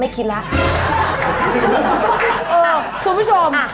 คุณผู้ชม